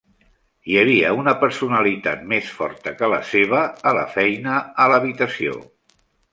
Hi havia una personalitat més forta que la seva a la feina a l'habitació.